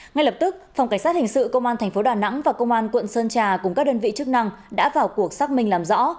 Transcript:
ngay lập tức phòng cảnh sát hình sự công an tp đà nẵng và công an quận sơn trà cùng các đơn vị chức năng đã vào cuộc xác minh làm rõ